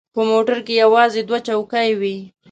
په موټر کې یوازې دوې چوکۍ وې.